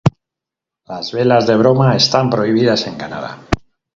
Las velas de broma están prohibidas en Canadá.